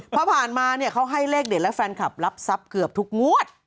เพราะผ่านมาเนี่ยเขาให้เลขเด็ดและแฟนคลับรับทรัพย์เกือบทุกงวด